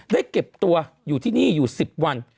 เก็บตัวอยู่ที่นี่อยู่๑๐วัน